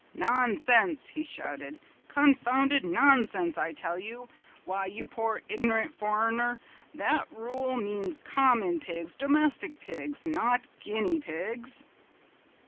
"Nonsense!" he shouted, "confounded nonsense, I tell you! Why, you poor ignorant foreigner, that rule means common pigs, domestic pigs, not guinea pigs!"